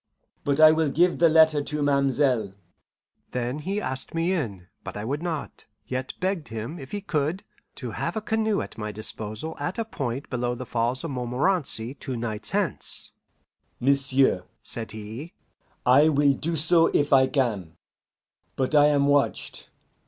But I will give the letter to ma'm'selle." Then he asked me in; but I would not, yet begged him, if he could, to have a canoe at my disposal at a point below the Falls of Montmorenci two nights hence. "M'sieu'," said he, "I will do so if I can, but I am watched.